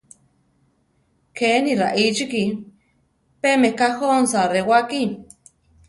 Kéni raíchiki; pé meká jónsa rewáki.